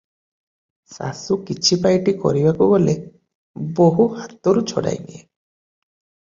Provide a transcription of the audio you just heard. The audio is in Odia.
ଶାଶୁ କିଛି ପାଇଟି କରିବାକୁ ଗଲେ ବୋହୂ ହାତରୁ ଛଡ଼ାଇନିଏ ।